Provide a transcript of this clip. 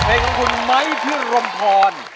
จากเพลงของคุณไม้พื้นรมพร